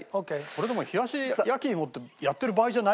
これでも冷し焼芋ってやってる場合じゃないぐらい。